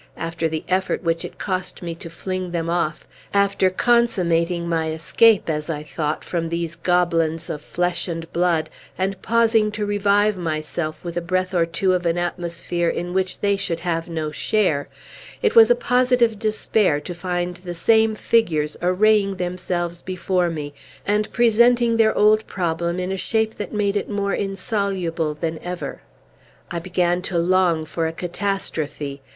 After the effort which it cost me to fling them off, after consummating my escape, as I thought, from these goblins of flesh and blood, and pausing to revive myself with a breath or two of an atmosphere in which they should have no share, it was a positive despair to find the same figures arraying themselves before me, and presenting their old problem in a shape that made it more insoluble than ever. I began to long for a catastrophe.